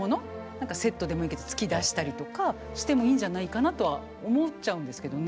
何かセットでもいいけど月出したりとかしてもいいんじゃないかなとは思っちゃうんですけどね。